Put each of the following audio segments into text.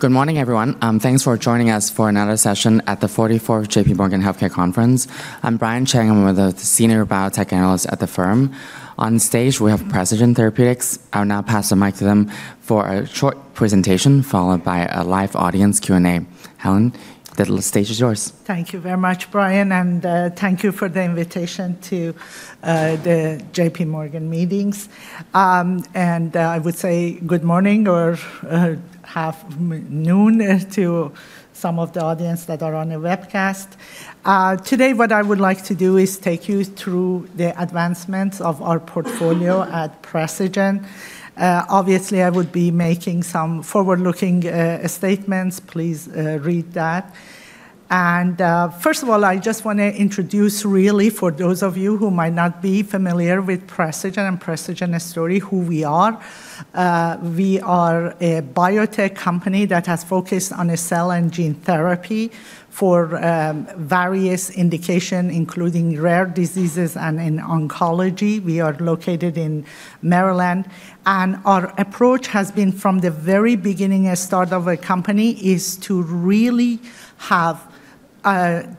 Good morning, everyone. Thanks for joining us for another session at the 44th JPMorgan Healthcare Conference. I'm Brian Cheng, and I'm one of the senior biotech analysts at the firm. On stage, we have Precigen. I'll now pass the mic to them for a short presentation followed by a live audience Q&A. Helen, the stage is yours. Thank you very much, Brian, and thank you for the invitation to the JPMorgan meetings, and I would say good morning, or afternoon, to some of the audience that are on a webcast. Today, what I would like to do is take you through the advancements of our portfolio at Precigen. Obviously, I would be making some forward-looking statements. Please read that, and first of all, I just want to introduce, really, for those of you who might not be familiar with Precigen and Precigen story, who we are. We are a biotech company that has focused on cell and gene therapy for various indications, including rare diseases and in oncology. We are located in Maryland. Our approach has been, from the very beginning, a start of a company is to really have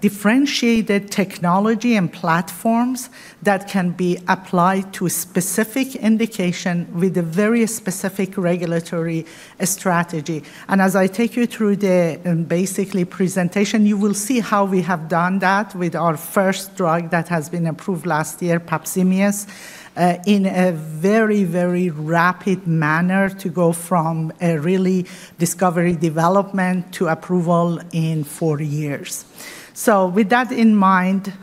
differentiated technology and platforms that can be applied to a specific indication with a very specific regulatory strategy. As I take you through the, basically, presentation, you will see how we have done that with our first drug that has been approved last year, Pepcimeus, in a very, very rapid manner to go from a really discovery development to approval in four years. With that in mind,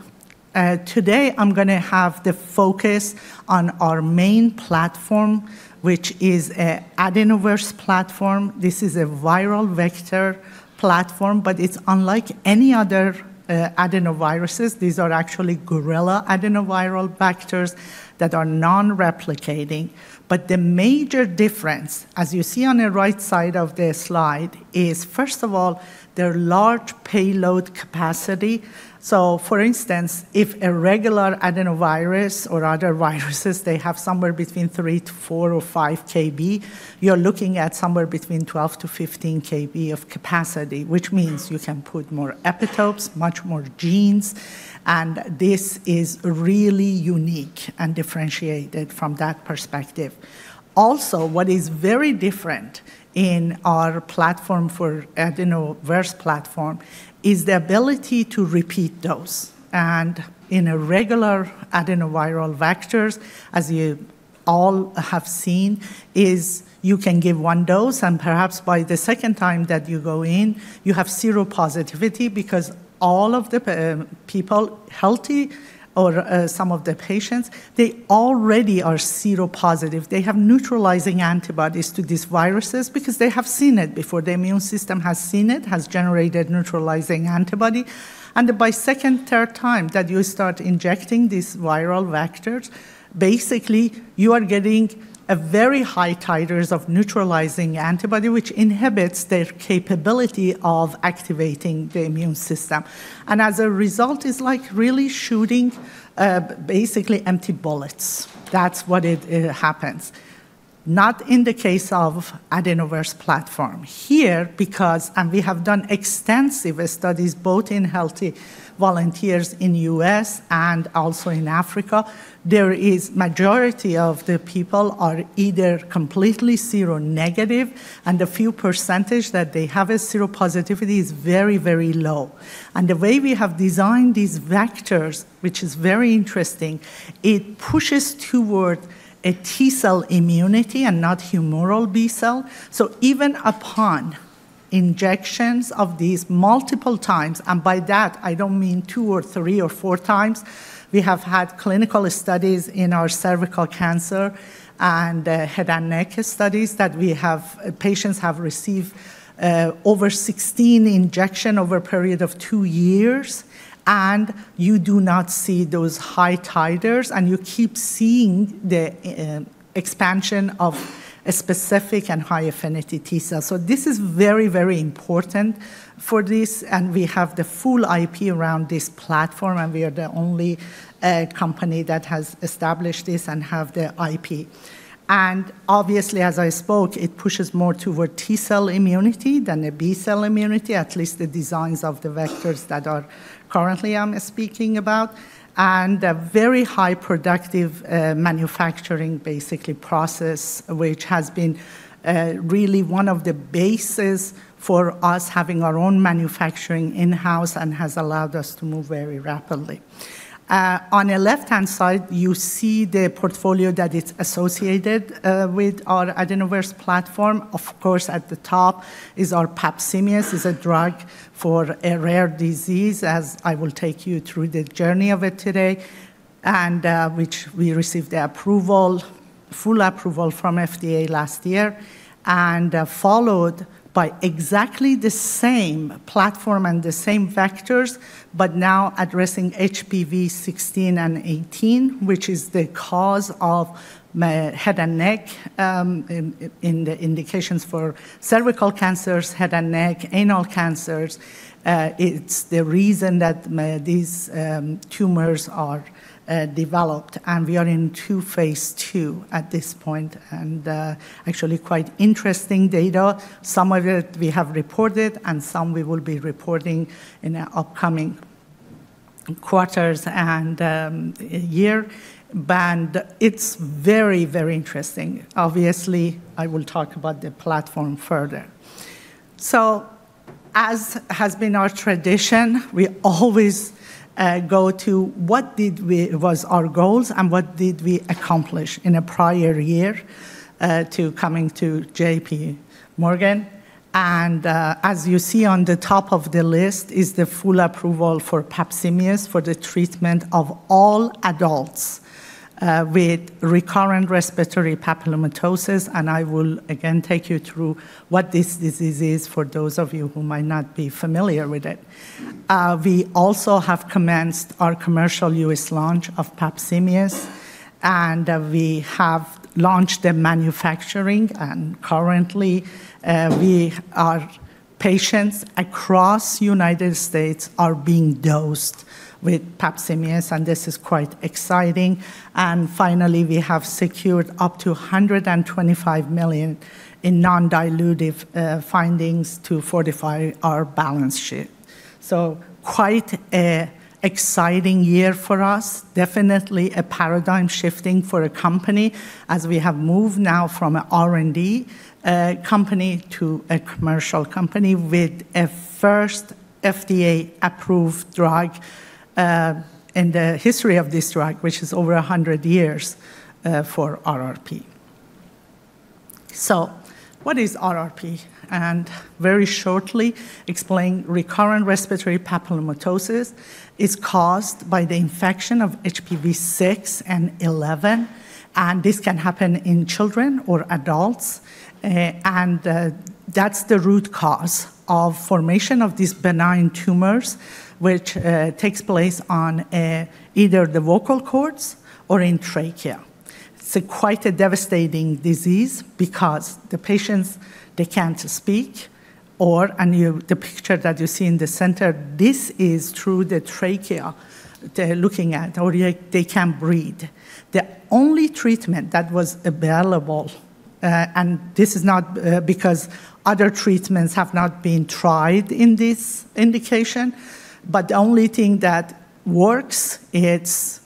today, I'm going to have the focus on our main platform, which is an adenovirus platform. This is a viral vector platform, but it's unlike any other adenoviruses. These are actually gorilla adenoviral vectors that are non-replicating. But the major difference, as you see on the right side of the slide, is, first of all, their large payload capacity. So for instance, if a regular adenovirus or other viruses, they have somewhere between three to four or five kb. You're looking at somewhere between 12-15 kb of capacity, which means you can put more epitopes, much more genes. And this is really unique and differentiated from that perspective. Also, what is very different in our platform for adenovirus platform is the ability to repeat dose. And in a regular adenoviral vector, as you all have seen, you can give one dose, and perhaps by the second time that you go in, you have zero seropositivity because all of the people, healthy or some of the patients, they already are seropositive. They have neutralizing antibodies to these viruses because they have seen it before. The immune system has seen it, has generated neutralizing antibody. By the second, third time that you start injecting these viral vectors, basically, you are getting very high titers of neutralizing antibody, which inhibits their capability of activating the immune system. As a result, it's like really shooting, basically, empty bullets. That's what happens. Not in the case of adenovirus platform. Here, because we have done extensive studies, both in healthy volunteers in the U.S. and also in Africa, the majority of the people are either completely seronegative, and the few percentage that they have a seropositivity is very, very low. The way we have designed these vectors, which is very interesting, it pushes toward a T cell immunity and not humoral B cell. Even upon injections of these multiple times, and by that, I don't mean two or three or four times, we have had clinical studies in our cervical cancer and head and neck studies that we have patients have received over 16 injections over a period of two years. You do not see those high titers, and you keep seeing the expansion of a specific and high affinity T cell. This is very, very important for this. We have the full IP around this platform, and we are the only company that has established this and has the IP. Obviously, as I spoke, it pushes more toward T cell immunity than a B cell immunity, at least the designs of the vectors that are currently I'm speaking about, and a very high productive manufacturing, basically, process, which has been really one of the bases for us having our own manufacturing in-house and has allowed us to move very rapidly. On the left-hand side, you see the portfolio that is associated with our adenovirus platform. Of course, at the top is our Pepcimeus, is a drug for a rare disease, as I will take you through the journey of it today, and which we received the full approval from FDA last year, and followed by exactly the same platform and the same vectors, but now addressing HPV 16 and 18, which is the cause of head and neck in the indications for cervical cancers, head and neck, anal cancers. It's the reason that these tumors are developed. And we are in two phase II at this point, and actually quite interesting data. Some of it we have reported, and some we will be reporting in the upcoming quarters and year. And it's very, very interesting. Obviously, I will talk about the platform further. So as has been our tradition, we always go to what was our goals and what did we accomplish in a prior year to coming to JPMorgan. And as you see on the top of the list is the full approval for Pepcimeus for the treatment of all adults with recurrent respiratory papillomatosis. And I will, again, take you through what this disease is for those of you who might not be familiar with it. We also have commenced our commercial U.S. launch of Pepcimeus, and we have launched the manufacturing. Currently, our patients across the United States are being dosed with Pepcimeus, and this is quite exciting. Finally, we have secured up to $125 million in non-dilutive funding to fortify our balance sheet. Quite an exciting year for us, definitely a paradigm shifting for a company, as we have moved now from an R&D company to a commercial company with a first FDA-approved drug in the history of this drug, which is over 100 years for RRP. What is RRP? Very shortly, explain recurrent respiratory papillomatosis. It's caused by the infection of HPV 6 and 11, and this can happen in children or adults. That's the root cause of formation of these benign tumors, which takes place on either the vocal cords or in trachea. It's quite a devastating disease because the patients, they can't speak, or the picture that you see in the center, this is through the trachea they're looking at, or they can't breathe. The only treatment that was available, and this is not because other treatments have not been tried in this indication, but the only thing that works, it's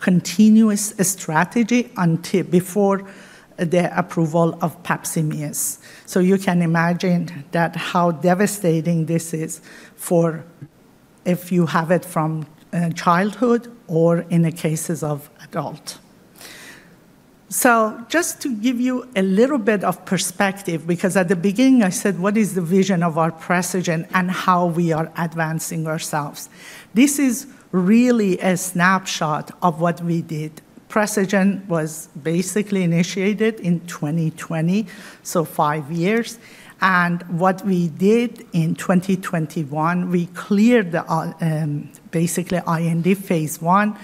continuous surgery until before the approval of Pepcimeus. You can imagine how devastating this is if you have it from childhood or in cases of adults. Just to give you a little bit of perspective, because at the beginning, I said, what is the vision of our Precigen and how we are advancing ourselves? This is really a snapshot of what we did. Precigen was basically initiated in 2020, so five years. What we did in 2021, we cleared basically IND phase one,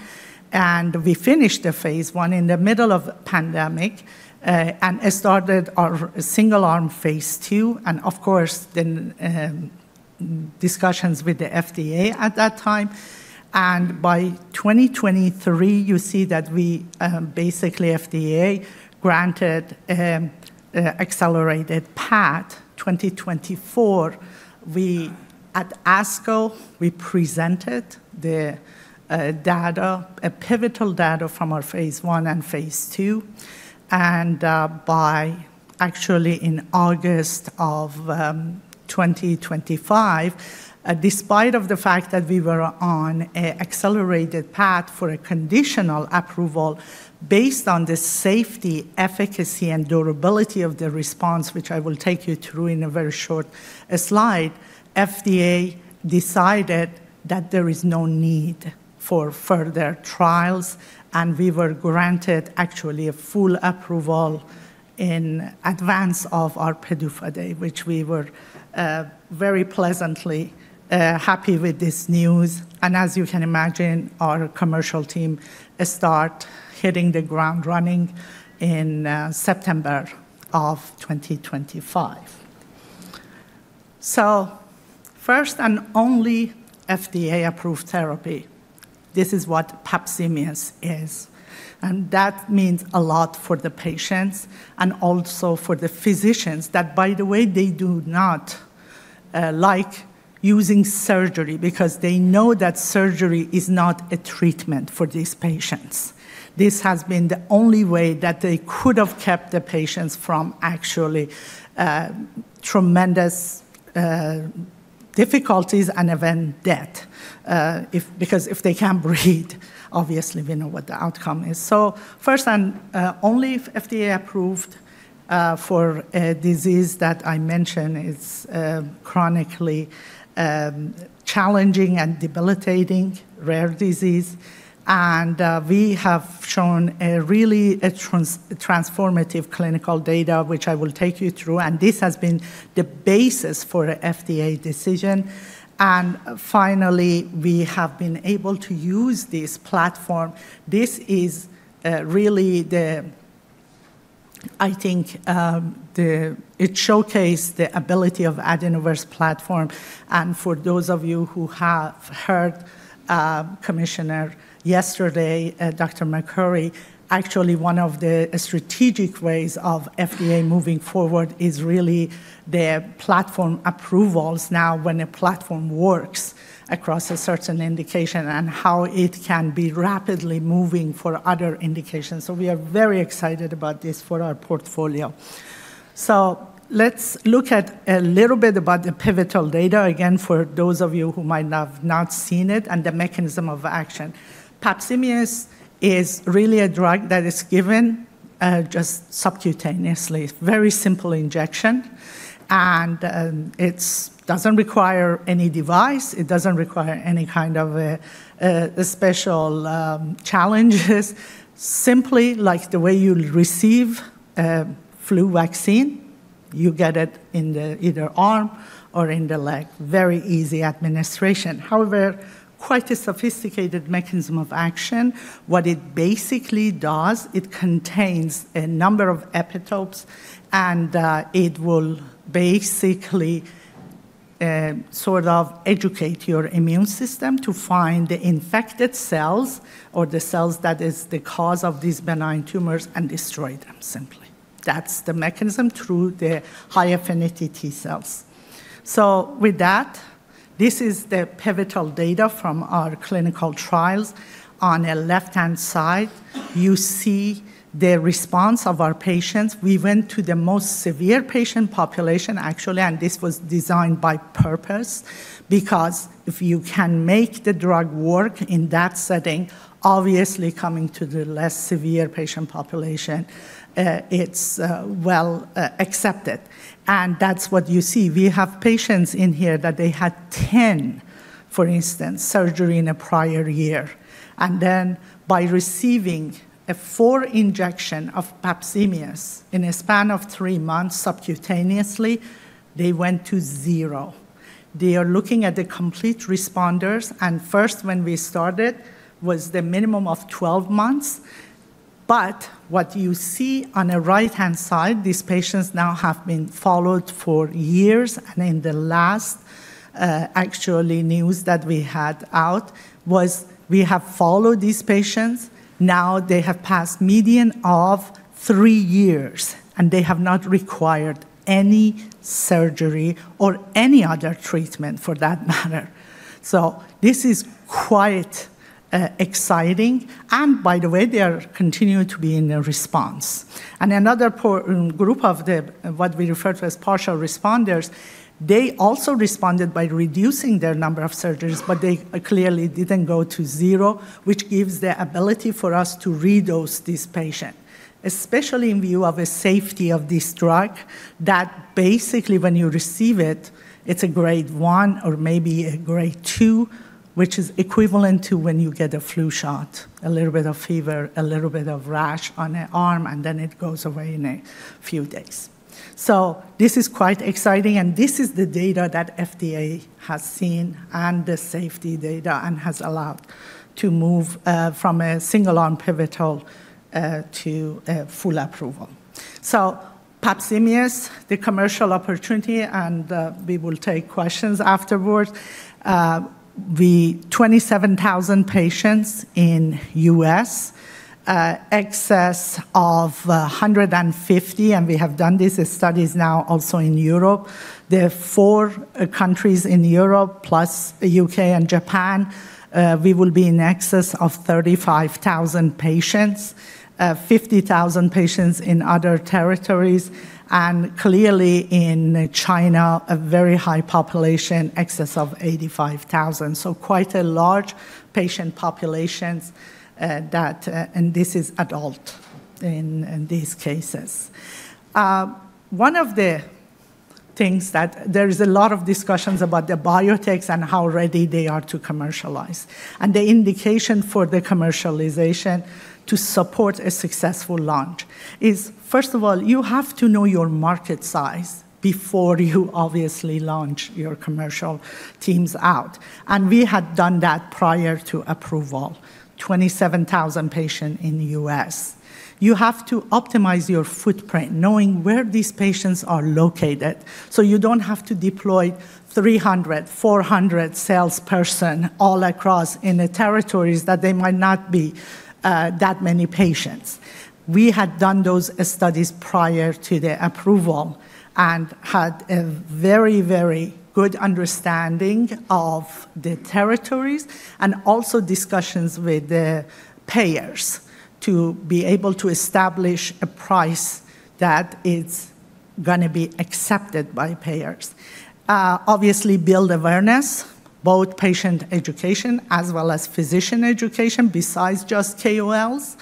and we finished the phase one in the middle of the pandemic, and it started our single-arm phase two, and of course, then discussions with the FDA at that time. By 2023, you see that we basically FDA granted accelerated path 2024. At ASCO, we presented the data, pivotal data from our phase one and phase two. By actually in August of 2025, despite the fact that we were on an accelerated path for a conditional approval based on the safety, efficacy, and durability of the response, which I will take you through in a very short slide, FDA decided that there is no need for further trials, and we were granted actually a full approval in advance of our PDUFA date, which we were very pleasantly happy with this news. As you can imagine, our commercial team started hitting the ground running in September of 2025. So first and only FDA-approved therapy, this is what Pepcimeus is. And that means a lot for the patients and also for the physicians that, by the way, they do not like using surgery because they know that surgery is not a treatment for these patients. This has been the only way that they could have kept the patients from actually tremendous difficulties and even death, because if they can't breathe, obviously, we know what the outcome is. So first and only FDA-approved for a disease that I mentioned, it's chronically challenging and debilitating rare disease. And we have shown really transformative clinical data, which I will take you through. And this has been the basis for FDA decision. And finally, we have been able to use this platform. This is really, I think, it showcased the ability of the adenovirus platform. And for those of you who have heard Commissioner yesterday, Dr. Makary, actually one of the strategic ways of FDA moving forward is really the platform approvals now when a platform works across a certain indication and how it can be rapidly moving for other indications. So we are very excited about this for our portfolio. So let's look at a little bit about the pivotal data again for those of you who might have not seen it and the mechanism of action. Pepcimeus is really a drug that is given just subcutaneously, very simple injection. And it doesn't require any device. It doesn't require any kind of special challenges. Simply like the way you receive a flu vaccine, you get it in either arm or in the leg, very easy administration. However, quite a sophisticated mechanism of action. What it basically does, it contains a number of epitopes, and it will basically sort of educate your immune system to find the infected cells or the cells that are the cause of these benign tumors and destroy them simply. That's the mechanism through the high affinity T cells. So with that, this is the pivotal data from our clinical trials. On the left-hand side, you see the response of our patients. We went to the most severe patient population, actually, and this was designed by purpose, because if you can make the drug work in that setting, obviously coming to the less severe patient population, it's well accepted. And that's what you see. We have patients in here that they had 10, for instance, surgery in a prior year. Then by receiving a four-injection of Pepcimeus in a span of three months subcutaneously, they went to zero. They are looking at the complete responders. And first, when we started, was the minimum of 12 months. But what you see on the right-hand side, these patients now have been followed for years. And in the last actually news that we had out was we have followed these patients. Now they have passed median of three years, and they have not required any surgery or any other treatment for that matter. So this is quite exciting. And by the way, they are continuing to be in response. And another group of what we refer to as partial responders. They also responded by reducing their number of surgeries, but they clearly didn't go to zero, which gives the ability for us to redose this patient, especially in view of the safety of this drug that basically when you receive it, it's a grade one or maybe a grade two, which is equivalent to when you get a flu shot, a little bit of fever, a little bit of rash on the arm, and then it goes away in a few days. So this is quite exciting. And this is the data that FDA has seen and the safety data and has allowed to move from a single-arm pivotal to full approval. So Pepcimeus, the commercial opportunity, and we will take questions afterwards. The 27,000 patients in the U.S., in excess of 150, and we have done these studies now also in Europe. The four countries in Europe, plus the U.K. and Japan, we will be in excess of 35,000 patients, 50,000 patients in other territories, and clearly in China, a very high population, in excess of 85,000. So quite a large patient populations that, and this is adult in these cases. One of the things that there is a lot of discussions about the biotechs and how ready they are to commercialize, and the indication for the commercialization to support a successful launch is, first of all, you have to know your market size before you obviously launch your commercial teams out, and we had done that prior to approval, 27,000 patients in the U.S. You have to optimize your footprint, knowing where these patients are located, so you don't have to deploy 300, 400 salesperson all across in the territories that there might not be that many patients. We had done those studies prior to the approval and had a very, very good understanding of the territories and also discussions with the payers to be able to establish a price that is going to be accepted by payers. Obviously, build awareness, both patient education as well as physician education besides just KOLs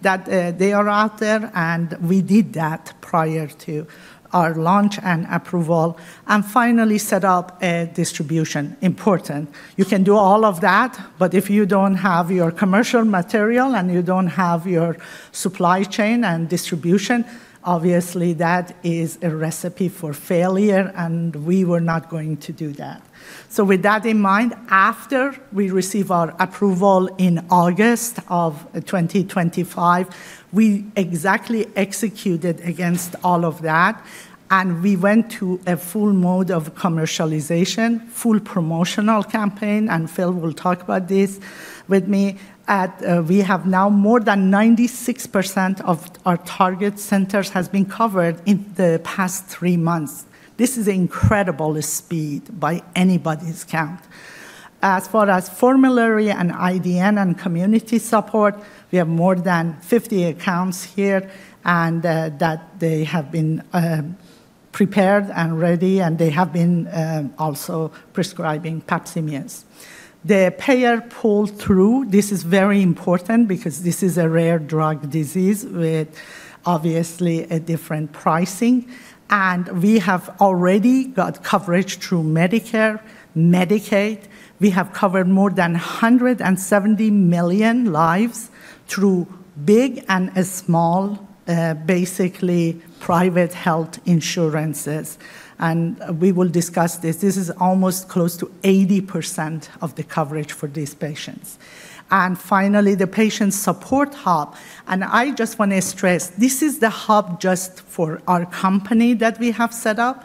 that they are out there. And we did that prior to our launch and approval. And finally, set up a distribution. Important. You can do all of that, but if you don't have your commercial material and you don't have your supply chain and distribution, obviously that is a recipe for failure, and we were not going to do that. So with that in mind, after we received our approval in August of 2025, we exactly executed against all of that, and we went to a full mode of commercialization, full promotional campaign. And Phil will talk about this with me. We have now more than 96% of our target centers has been covered in the past three months. This is an incredible speed by anybody's count. As far as formulary and IDN and community support, we have more than 50 accounts here and that they have been prepared and ready, and they have been also prescribing Pepcimeus. The payer pull through, this is very important because this is a rare drug disease with obviously a different pricing. And we have already got coverage through Medicare, Medicaid. We have covered more than 170 million lives through big and small, basically private health insurances. And we will discuss this. This is almost close to 80% of the coverage for these patients. And finally, the patient support hub. And I just want to stress, this is the hub just for our company that we have set up.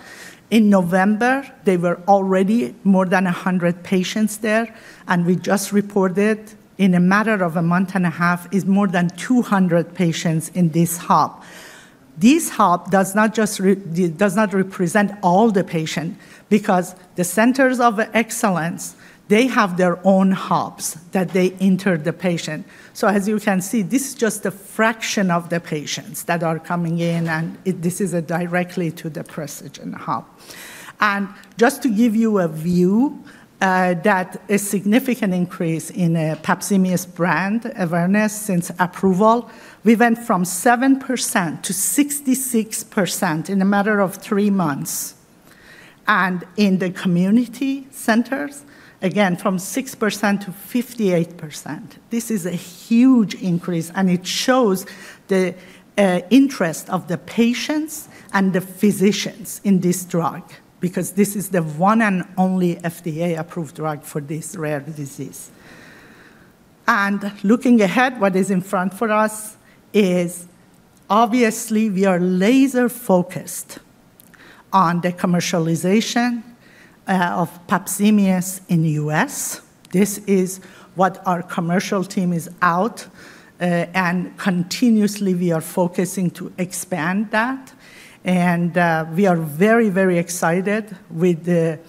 In November, there were already more than 100 patients there, and we just reported in a matter of a month and a half, it's more than 200 patients in this hub. This hub does not just represent all the patients because the centers of excellence, they have their own hubs that they enter the patient. So as you can see, this is just a fraction of the patients that are coming in, and this is directly to the Precigen hub. And just to give you a view, that is a significant increase in a Pepcimeus brand awareness since approval. We went from 7%-66% in a matter of three months. And in the community centers, again, from 6%-58%. This is a huge increase, and it shows the interest of the patients and the physicians in this drug because this is the one and only FDA-approved drug for this rare disease. And looking ahead, what is in front for us is obviously we are laser-focused on the commercialization of Pepcimeus in the U.S. This is what our commercial team is out, and continuously we are focusing to expand that. And we are very, very excited with the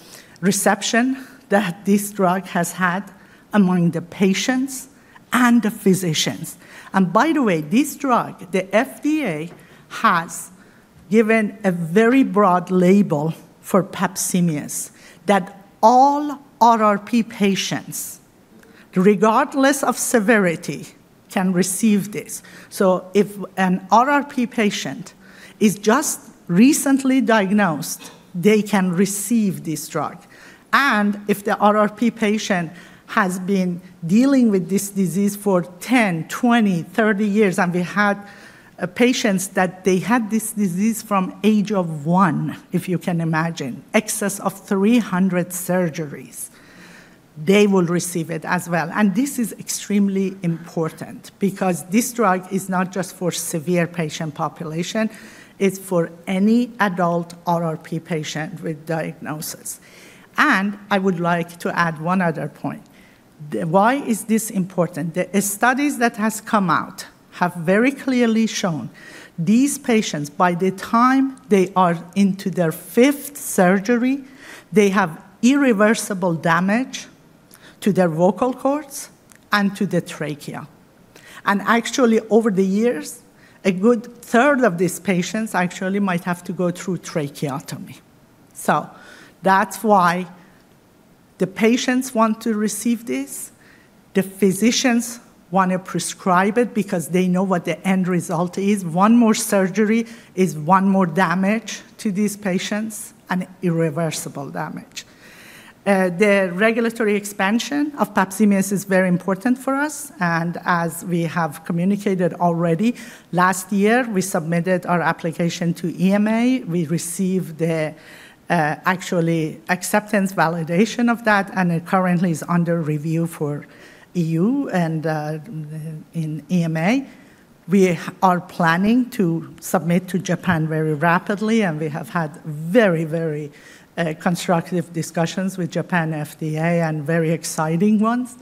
reception that this drug has had among the patients and the physicians. And by the way, this drug, the FDA has given a very broad label for Pepcimeus that all RRP patients, regardless of severity, can receive this. So if an RRP patient is just recently diagnosed, they can receive this drug. And if the RRP patient has been dealing with this disease for 10, 20, 30 years, and we had patients that they had this disease from age of one, if you can imagine, excess of 300 surgeries, they will receive it as well. And this is extremely important because this drug is not just for severe patient population; it's for any adult RRP patient with diagnosis. And I would like to add one other point. Why is this important? The studies that have come out have very clearly shown these patients, by the time they are into their fifth surgery, they have irreversible damage to their vocal cords and to the trachea. And actually, over the years, a good third of these patients actually might have to go through tracheotomy. So that's why the patients want to receive this. The physicians want to prescribe it because they know what the end result is. One more surgery is one more damage to these patients and irreversible damage. The regulatory expansion of Pepcimeus is very important for us. And as we have communicated already, last year, we submitted our application to EMA. We received the actually acceptance validation of that, and it currently is under review for EU and in EMA. We are planning to submit to Japan very rapidly, and we have had very, very constructive discussions with Japan FDA and very exciting ones.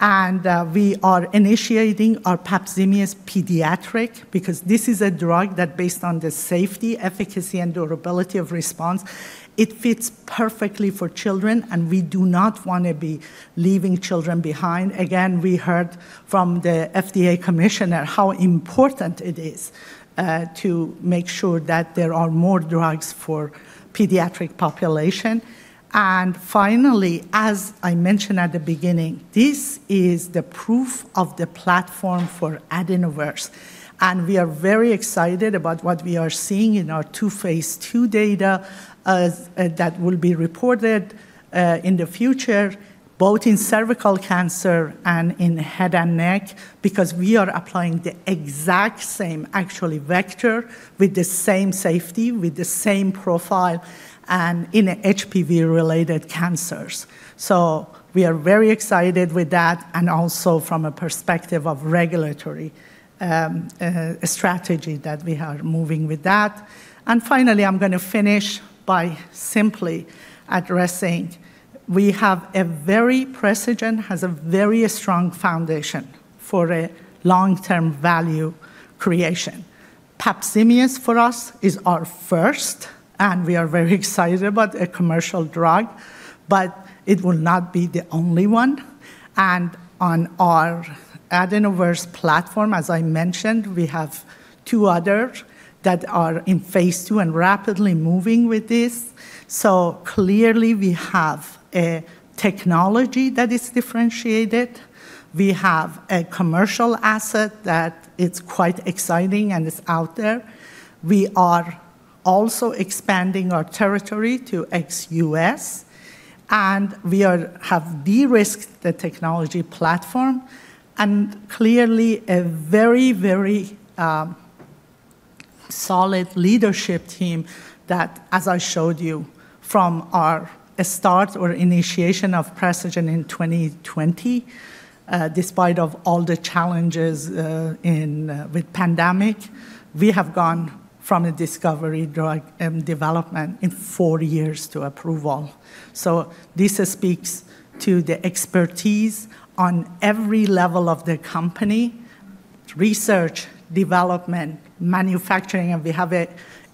And we are initiating our Pepcimeus pediatric because this is a drug that, based on the safety, efficacy, and durability of response, it fits perfectly for children, and we do not want to be leaving children behind. Again, we heard from the FDA commissioner how important it is to make sure that there are more drugs for the pediatric population. Finally, as I mentioned at the beginning, this is the proof of the platform for adenovirus. We are very excited about what we are seeing in our phase II data that will be reported in the future, both in cervical cancer and in head and neck, because we are applying the exact same actually vector with the same safety, with the same profile, and in HPV-related cancers. We are very excited with that and also from a perspective of regulatory strategy that we are moving with that. Finally, I'm going to finish by simply addressing Precigen has a very strong foundation for a long-term value creation. Pepcimeus for us is our first, and we are very excited about a commercial drug, but it will not be the only one, and on our adenovirus platform, as I mentioned, we have two others that are in phase two and rapidly moving with this, so clearly, we have a technology that is differentiated. We have a commercial asset that is quite exciting and is out there. We are also expanding our territory to ex-U.S., and we have de-risked the technology platform, and clearly, a very, very solid leadership team that, as I showed you from our start or initiation of Precigen in 2020, despite all the challenges with the pandemic, we have gone from a discovery drug development in four years to approval, so this speaks to the expertise on every level of the company: research, development, manufacturing, and we have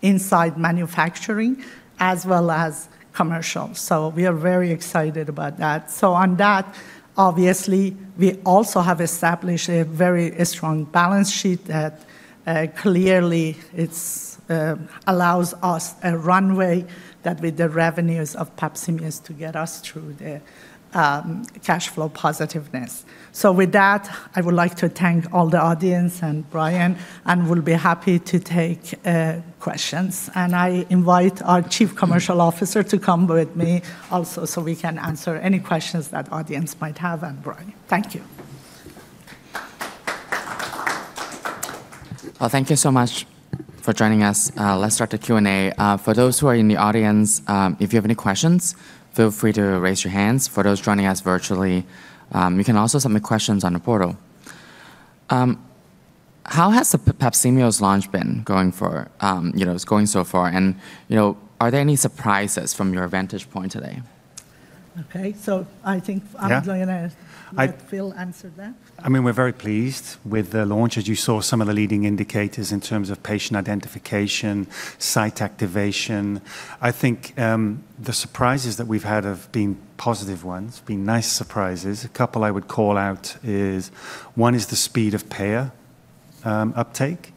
inside manufacturing as well as commercial. So we are very excited about that. So on that, obviously, we also have established a very strong balance sheet that clearly allows us a runway that with the revenues of Pepcimeus to get us through the cash flow positiveness. So with that, I would like to thank all the audience and Brian, and we'll be happy to take questions. And I invite our Chief Commercial Officer to come with me also so we can answer any questions that the audience might have and Brian. Thank you. Well, thank you so much for joining us. Let's start the Q&A. For those who are in the audience, if you have any questions, feel free to raise your hands. For those joining us virtually, you can also submit questions on the portal. How has the Pepcimeus launch been going for, you know, going so far? And, you know, are there any surprises from your vantage point today? Okay, so I think I'm going to ask Phil answer that. I mean, we're very pleased with the launch. As you saw, some of the leading indicators in terms of patient identification, site activation. I think the surprises that we've had have been positive ones, been nice surprises. A couple I would call out is one is the speed of payer uptake.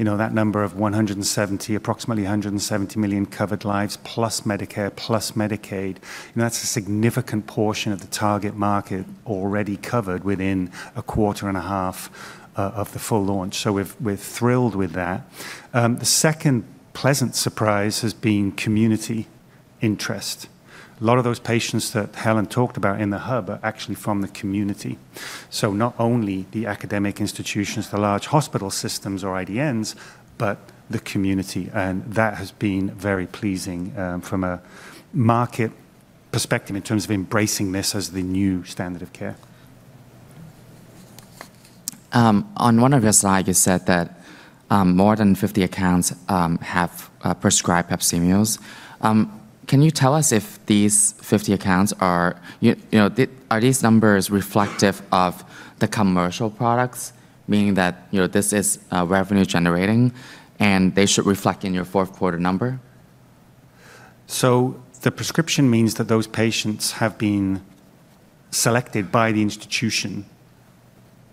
You know, that number of 170, approximately 170 million covered lives plus Medicare plus Medicaid. You know, that's a significant portion of the target market already covered within a quarter and a half of the full launch. So we're thrilled with that. The second pleasant surprise has been community interest. A lot of those patients that Helen talked about in the hub are actually from the community. So not only the academic institutions, the large hospital systems or IDNs, but the community. And that has been very pleasing from a market perspective in terms of embracing this as the new standard of care. On one of your slides, you said that more than 50 accounts have prescribed Pepcimeus. Can you tell us if these 50 accounts are, you know, are these numbers reflective of the commercial products, meaning that, you know, this is revenue-generating and they should reflect in your fourth quarter number? So the prescription means that those patients have been selected by the institution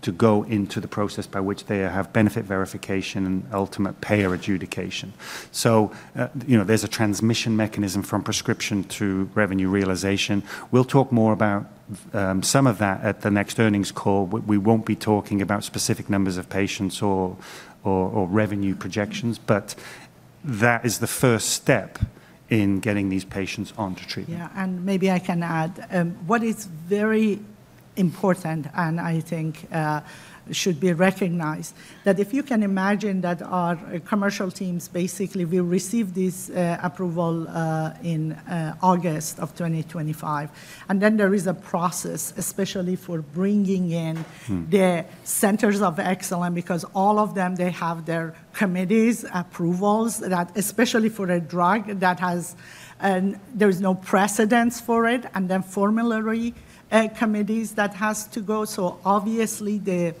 to go into the process by which they have benefit verification and ultimate payer adjudication. So, you know, there's a transmission mechanism from prescription to revenue realization. We'll talk more about some of that at the next earnings call. We won't be talking about specific numbers of patients or revenue projections, but that is the first step in getting these patients onto treatment. Yeah, and maybe I can add what is very important and I think should be recognized that if you can imagine that our commercial teams basically will receive this approval in August of 2025, and then there is a process, especially for bringing in the centers of excellence, because all of them, they have their committees, approvals that especially for a drug that has, and there is no precedent for it, and then formulary committees that has to go. So obviously, the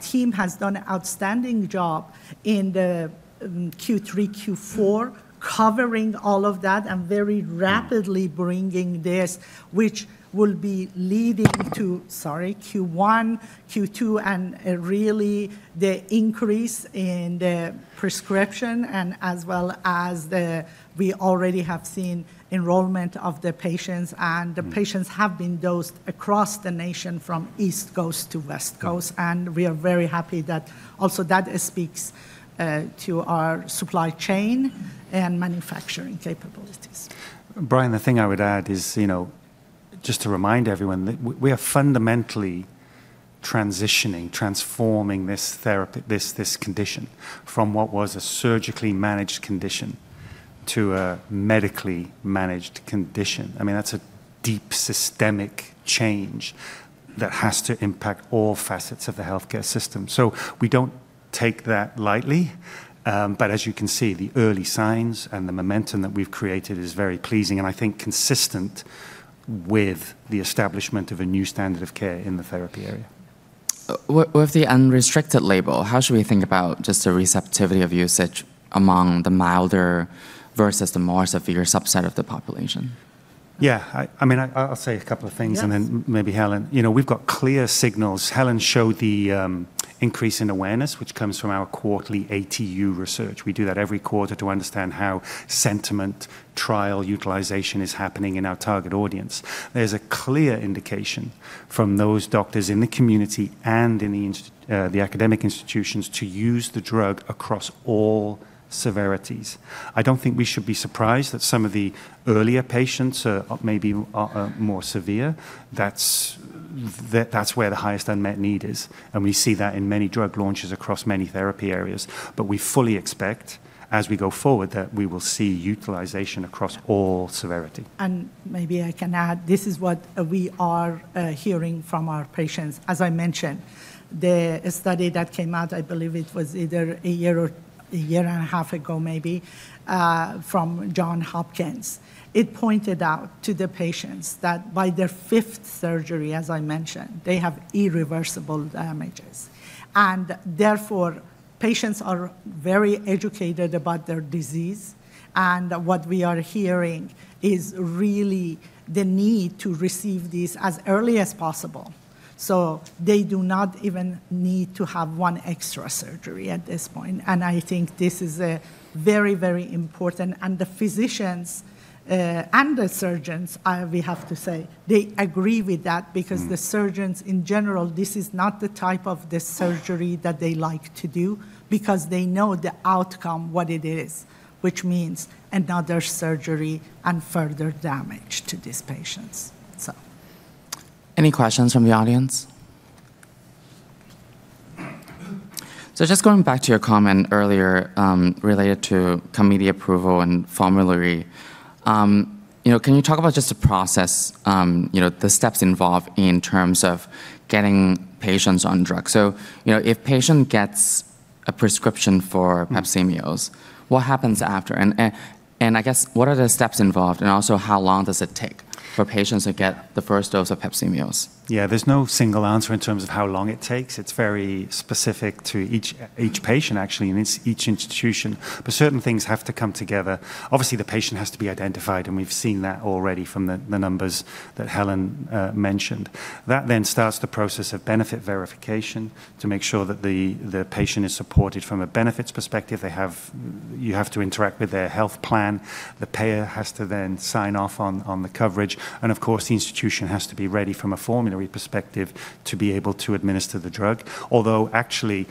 team has done an outstanding job in the Q3, Q4, covering all of that and very rapidly bringing this, which will be leading to, sorry, Q1, Q2, and really the increase in the prescription and as well as the, we already have seen enrollment of the patients and the patients have been dosed across the nation from East Coast to West Coast. And we are very happy that also that speaks to our supply chain and manufacturing capabilities. Brian, the thing I would add is, you know, just to remind everyone that we are fundamentally transitioning, transforming this therapy, this condition from what was a surgically managed condition to a medically managed condition. I mean, that's a deep systemic change that has to impact all facets of the healthcare system. So we don't take that lightly, but as you can see, the early signs and the momentum that we've created is very pleasing and I think consistent with the establishment of a new standard of care in the therapy area. With the unrestricted label, how should we think about just the receptivity of usage among the milder versus the more severe subset of the population? Yeah, I mean, I'll say a couple of things and then maybe Helen, you know, we've got clear signals. Helen showed the increase in awareness, which comes from our quarterly ATU research. We do that every quarter to understand how sentiment, trial utilization is happening in our target audience. There's a clear indication from those doctors in the community and in the academic institutions to use the drug across all severities. I don't think we should be surprised that some of the earlier patients may be more severe. That's where the highest unmet need is, and we see that in many drug launches across many therapy areas, but we fully expect as we go forward that we will see utilization across all severity, and maybe I can add this is what we are hearing from our patients. As I mentioned, the study that came out, I believe it was either a year or a year and a half ago maybe from Johns Hopkins, it pointed out to the patients that by their fifth surgery, as I mentioned, they have irreversible damages, and therefore, patients are very educated about their disease, and what we are hearing is really the need to receive these as early as possible, so they do not even need to have one extra surgery at this point. I think this is a very, very important. The physicians and the surgeons, we have to say, they agree with that because the surgeons in general, this is not the type of the surgery that they like to do because they know the outcome what it is, which means another surgery and further damage to these patients. So. Any questions from the audience? Just going back to your comment earlier related to committee approval and formulary, you know, can you talk about just the process, you know, the steps involved in terms of getting patients on drugs? So, you know, if a patient gets a prescription for Pepcimeus, what happens after? And I guess what are the steps involved and also how long does it take for patients to get the first dose of Pepcimeus? Yeah, there's no single answer in terms of how long it takes. It's very specific to each patient actually and each institution. But certain things have to come together. Obviously, the patient has to be identified and we've seen that already from the numbers that Helen mentioned. That then starts the process of benefit verification to make sure that the patient is supported from a benefits perspective. You have to interact with their health plan. The payer has to then sign off on the coverage. And of course, the institution has to be ready from a formulary perspective to be able to administer the drug. Although actually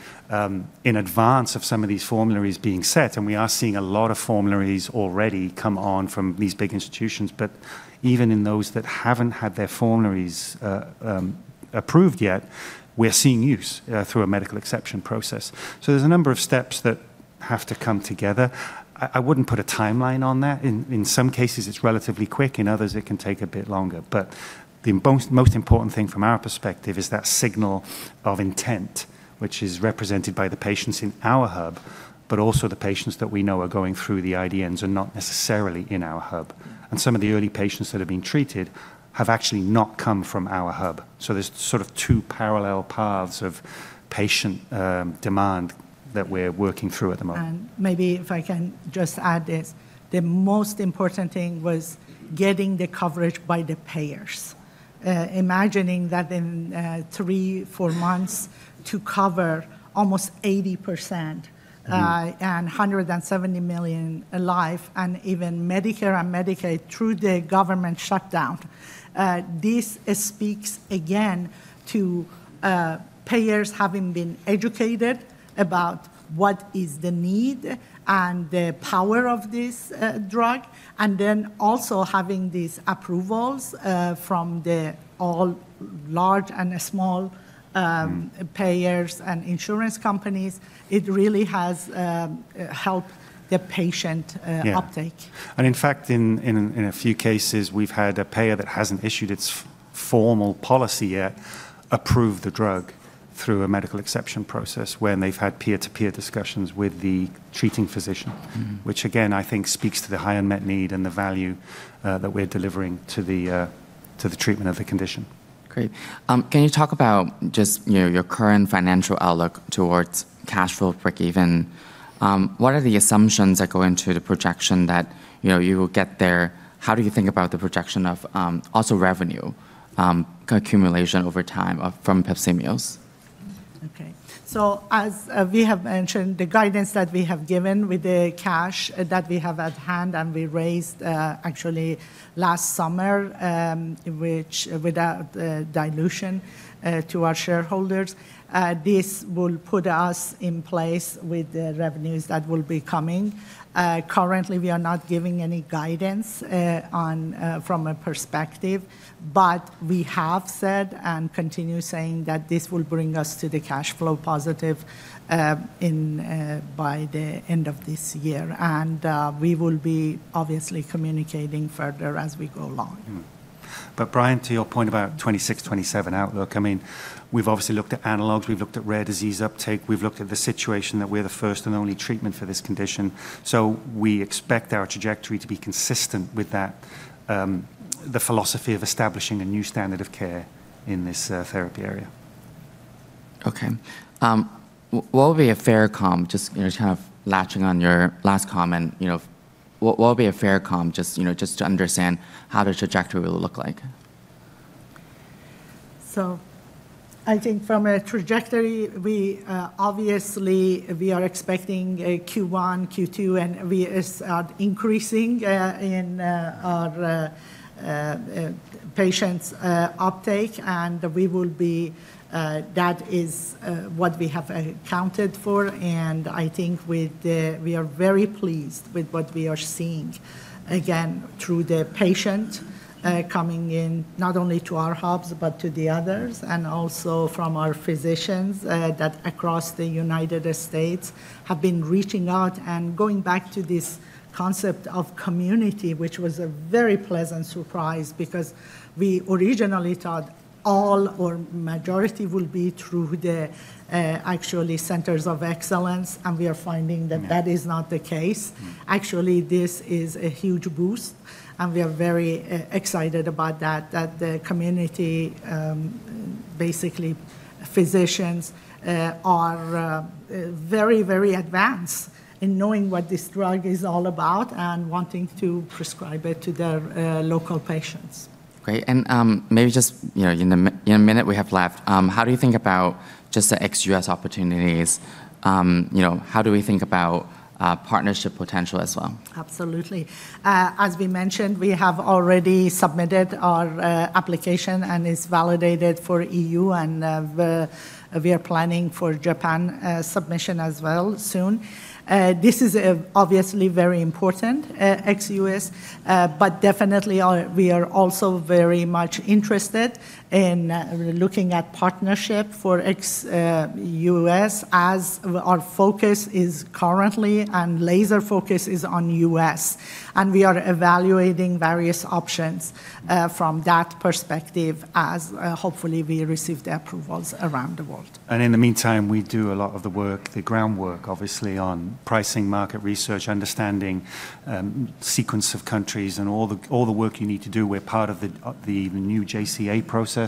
in advance of some of these formularies being set, and we are seeing a lot of formularies already come on from these big institutions, but even in those that haven't had their formularies approved yet, we're seeing use through a medical exception process. So there's a number of steps that have to come together. I wouldn't put a timeline on that. In some cases, it's relatively quick. In others, it can take a bit longer. But the most important thing from our perspective is that signal of intent, which is represented by the patients in our hub, but also the patients that we know are going through the IDNs and not necessarily in our hub. And some of the early patients that have been treated have actually not come from our hub. So there's sort of two parallel paths of patient demand that we're working through at the moment. And maybe if I can just add this, the most important thing was getting the coverage by the payers. Imagining that in three, four months to cover almost 80% and 170 million lives and even Medicare and Medicaid through the government shutdown, this speaks again to payers having been educated about what is the need and the power of this drug. And then also having these approvals from all large and small payers and insurance companies, it really has helped the patient uptake. And in fact, in a few cases, we've had a payer that hasn't issued its formal policy yet approve the drug through a medical exception process when they've had peer-to-peer discussions with the treating physician, which again, I think speaks to the high unmet need and the value that we're delivering to the treatment of the condition. Great. Can you talk about just, you know, your current financial outlook towards cash flow breakeven? What are the assumptions that go into the projection that, you know, you will get there? How do you think about the projection of also revenue accumulation over time from Pepcimeus? Okay, so as we have mentioned, the guidance that we have given with the cash that we have at hand and we raised actually last summer, which with a dilution to our shareholders, this will put us in place with the revenues that will be coming. Currently, we are not giving any guidance from a perspective, but we have said and continue saying that this will bring us to the cash flow positive by the end of this year, and we will be obviously communicating further as we go along. But, Brian, to your point about 2026, 2027 outlook, I mean, we've obviously looked at analogs, we've looked at rare disease uptake, we've looked at the situation that we're the first and only treatment for this condition. So we expect our trajectory to be consistent with that, the philosophy of establishing a new standard of care in this therapy area. Okay. What would be a fair comp, just, you know, kind of latching on your last comment, you know, what would be a fair comp just, you know, just to understand how the trajectory will look like? So I think from a trajectory, we obviously are expecting Q1, Q2, and we are increasing in our patients' uptake. And we will be, that is what we have accounted for. I think we are very pleased with what we are seeing again through the patients coming in not only to our hubs, but to the others and also from our physicians that across the United States have been reaching out and going back to this concept of community, which was a very pleasant surprise because we originally thought all or majority will be through the actual centers of excellence. We are finding that that is not the case. Actually, this is a huge boost. We are very excited about that, that the community, basically physicians, are very, very advanced in knowing what this drug is all about and wanting to prescribe it to their local patients. Great. Maybe just, you know, in the minute we have left, how do you think about just the ex-U.S. opportunities? You know, how do we think about partnership potential as well? Absolutely. As we mentioned, we have already submitted our application and it's validated for EU and we are planning for Japan submission as well soon. This is obviously very important, ex-U.S., but definitely we are also very much interested in looking at partnership for ex-U.S. as our focus is currently and laser focus is on U.S., and we are evaluating various options from that perspective as hopefully we receive the approvals around the world, and in the meantime, we do a lot of the work, the groundwork obviously on pricing market research, understanding sequence of countries and all the work you need to do. We're part of the new JCA process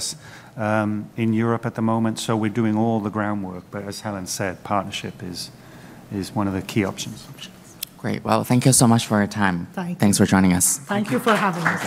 in Europe at the moment, so we're doing all the groundwork, but as Helen said, partnership is one of the key options. Great. Thank you so much for your time. Thanks for joining us. Thank you for having us.